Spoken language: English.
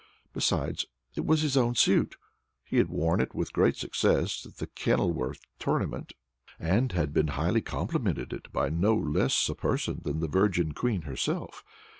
Besides it was his own suit. He had worn it with great success at the Kenilworth tournament, and had been highly complimented on it by no less a person than the Virgin Queen herself.